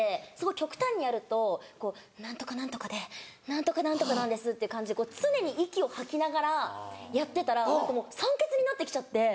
極端にやると「何とか何とかで何とか何とかなんです」って感じで常に息を吐きながらやってたら何かもう酸欠になってきちゃって。